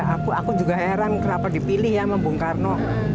aku aku juga heran kenapa dipilih ya sama bung karno